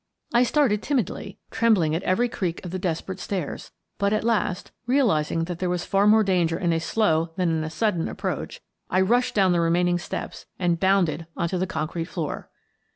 I started timidly, trembling at every creak of the desperate stairs, but at last, realizing that there was far more danger in a slow than in a sudden ap proach, I rushed down the remaining steps and bounded on to the concrete floor.